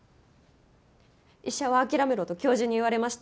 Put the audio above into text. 医者は諦めろと教授に言われました。